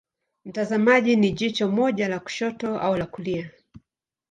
Mtazamaji ni jicho moja la kushoto au la kulia.